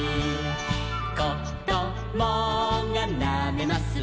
「こどもがなめます